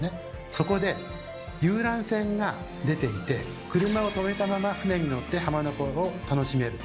そこで遊覧船が出ていて車をとめたまま船に乗って浜名湖を楽しめると。